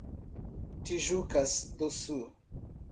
Tijucas do Sul